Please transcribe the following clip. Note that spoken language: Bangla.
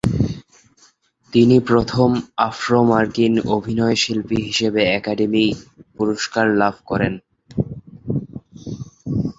তিনি প্রথম আফ্রো-মার্কিন অভিনয়শিল্পী হিসেবে একাডেমি পুরস্কার লাভ করেন।